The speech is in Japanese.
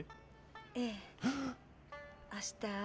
ええ明日